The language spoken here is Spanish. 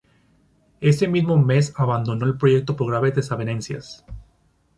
Ese mismo mes abandonó el proyecto por graves desavenencias.